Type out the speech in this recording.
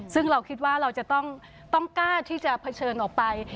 ซึ่งเราคิดว่าเราจะต้องกล้าที่จะเผชิญออกไป